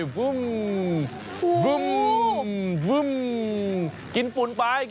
บึ้มบึ้มบึ้มบึ้มกินฝุ่นไปเฮ้ย